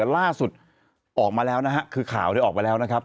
ล่าสุดออกมาแล้วนะฮะคือข่าวได้ออกมาแล้วนะครับ